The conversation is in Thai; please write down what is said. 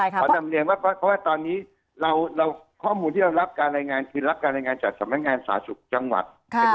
ขอนำเรียนว่าตอนนี้ข้อมูลที่เรารับการรายงานคือรับการรายงานจากสำนักงานสาธารณสุขจังหวัด